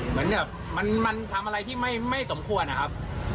เหมือนแบบมันทำอะไรที่ไม่สมควรนะครับ